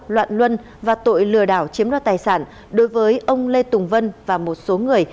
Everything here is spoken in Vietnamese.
loạn luân và tội lừa đảo chiếm đoạt tài sản đối với ông lê tùng vân và một số người